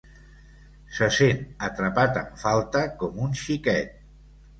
Se sent atrapat en falta, com un xiquet.